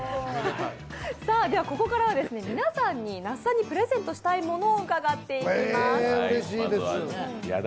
ここからは皆さんに那須さんにプレゼントしたいものを伺っていきます。